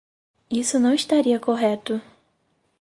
Isso não estaria correto.